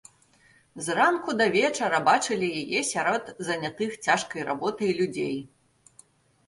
З ранку да вечара бачылі яе сярод занятых цяжкай работай людзей.